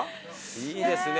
いいですね。